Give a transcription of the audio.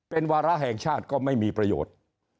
เป็นวาระแห่งชาติก็ไม่มีประโยชน์